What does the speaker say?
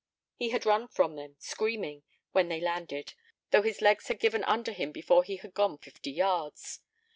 He had run from them, screaming, when they landed, though his legs had given under him before he had gone fifty yards.